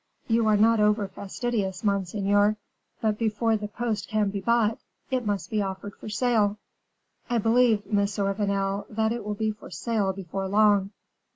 "You are not over fastidious, monseigneur; but before the post can be bought, it must be offered for sale." "I believe, Monsieur Vanel, that it will be for sale before long."